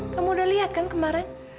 kamu udah lihat kan kemarin